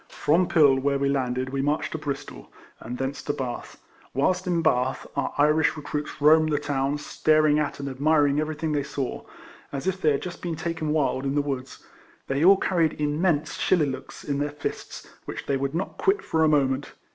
From Pill, where we landed, we marched to Bristol, and thence to Bath. Whilst in Bath, our Irish recruits roamed about the town, staring at and admiring everything they saw, as if they had just been taken wild in the woods. They all carried im mense shillelaghs in their fists, which they would not quit for a moment.